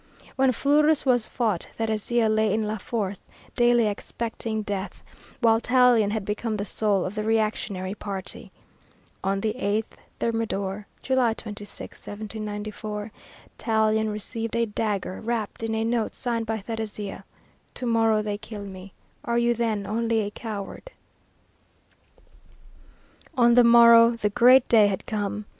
When Fleurus was fought Thérézia lay in La Force, daily expecting death, while Tallien had become the soul of the reactionary party. On the 8 Thermidor (July 26,1794) Tallien received a dagger wrapped in a note signed by Thérézia, "To morrow they kill me. Are you then only a coward?" On the morrow the great day had come.